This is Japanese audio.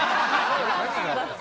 何があったんだ。